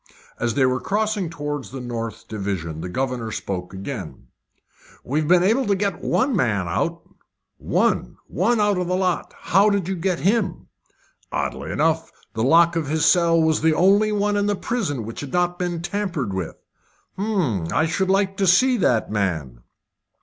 As they were crossing towards the north division the governor spoke again: "We've been able to get one man out." "One! out of the lot! How did you get him?" "Oddly enough, the lock of his cell was the only one in the prison which had not been tampered with." "Hum! I should like to see that man."